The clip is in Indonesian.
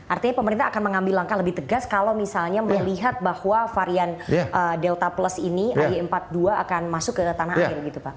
artinya pemerintah akan mengambil langkah lebih tegas kalau misalnya melihat bahwa varian delta plus ini ay empat puluh dua akan masuk ke tanah air gitu pak